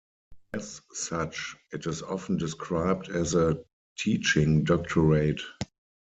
As such, it is often described as a "teaching doctorate".